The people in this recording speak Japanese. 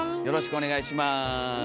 よろしくお願いします。